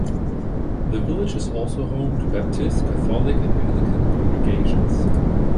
The village is also home to Baptist, Catholic and Anglican congregations.